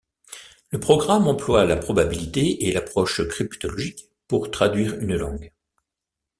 Le programme emploie la probabilité et l'approche cryptologique pour traduire une langue.